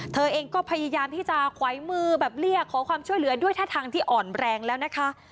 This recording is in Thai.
เธอเองก็พยายามที่จะไขวมือแบบเรียกขอความช่วยเหลือด้วยท่าทางที่อ่อนแรงแล้วนะคะ